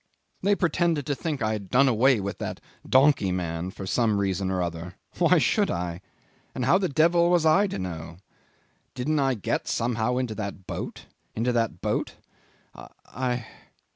"They pretended to think I had done away with that donkey man for some reason or other. Why should I? And how the devil was I to know? Didn't I get somehow into that boat? into that boat I ..